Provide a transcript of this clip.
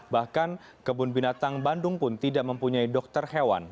bahkan kebun binatang bandung pun tidak mempunyai dokter hewan